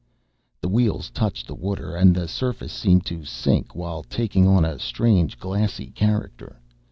The wheels touched the water and the surface seemed to sink while taking on a strange glassy character.